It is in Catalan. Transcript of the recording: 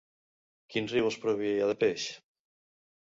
Quin riu els proveïa de peix?